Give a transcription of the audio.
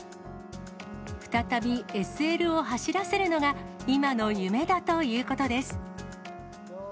再びＳＬを走らせるのが、今の夢だということです。